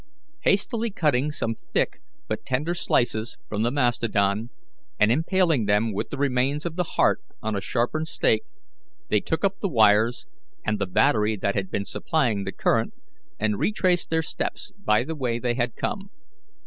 Hastily cutting some thick but tender slices from the mastodon, and impaling them with the remains of the heart on a sharpened stake, they took up the wires, and the battery that had been supplying the current, and retraced their steps by the way they had come.